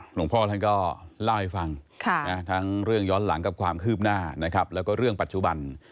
หลวงพ่อท่านก็เล่าให้ฟังทั้งเรื่องย้อนหลังกับความคืบหน้านะครับแล้วก็เรื่องปัจจุบัน